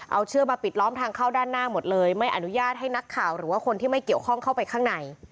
เอาเชือกมาปิดล้อมทางเข้าด้านหน้าหมดเลยไม่อนุญาตให้นักข่าวหรือว่าคนที่ไม่เกี่ยวข้องเข้าไปข้างใน